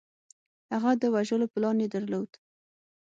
هغه د وژلو پلان یې درلود